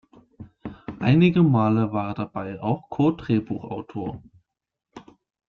Einige Male war er dabei auch Co-Drehbuchautor.